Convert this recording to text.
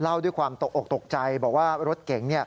ด้วยความตกออกตกใจบอกว่ารถเก๋ง